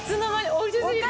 おいしすぎて。